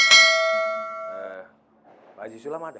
eeeh pakji sulam ada